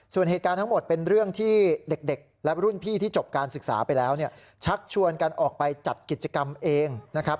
ส่วนเหตุการณ์ทั้งหมดเป็นเรื่องที่เด็กและรุ่นพี่ที่จบการศึกษาไปแล้วเนี่ยชักชวนกันออกไปจัดกิจกรรมเองนะครับ